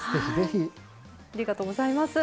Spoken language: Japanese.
ありがとうございます。